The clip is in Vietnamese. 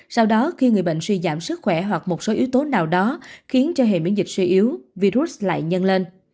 sau đó khi người bệnh suy giảm sức khỏe hoặc một số yếu tố nào đó khiến cho hệ miễn dịch suy yếu virus lại nhân lên